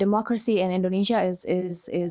untuk masyarakat berpartisipasi di dalam kontestasi politik